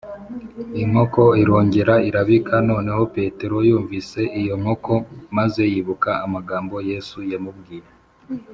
inkoko irongera irabika noneho petero yumvise iyo nkoko, maze yibuka amagambo yesu yamubwiye